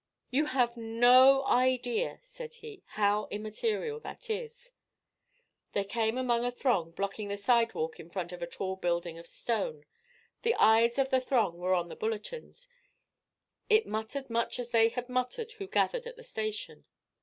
"You have no idea," said he, "how immaterial that is." They came upon a throng blocking the sidewalk in front of a tall building of stone. The eyes of the throng were on bulletins; it muttered much as they had muttered who gathered in the station.